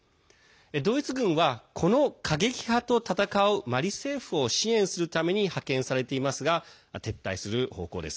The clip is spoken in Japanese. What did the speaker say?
ドイツ軍は、この過激派と戦うマリ政府を支援するために派遣されていますが撤退する方向です。